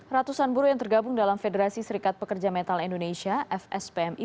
ratusan buruh yang tergabung dalam federasi serikat pekerja metal indonesia fspmi